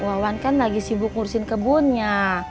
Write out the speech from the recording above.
wawan kan lagi sibuk ngurusin kebunnya